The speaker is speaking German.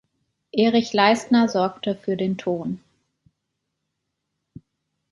Erich Leistner sorgte für den Ton.